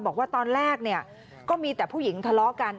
บอกว่าตอนแรกเนี่ยก็มีแต่ผู้หญิงทะเลาะกัน